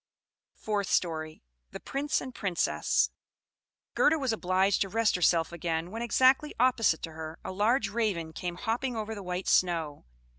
FOURTH STORY. The Prince and Princess Gerda was obliged to rest herself again, when, exactly opposite to her, a large Raven came hopping over the white snow.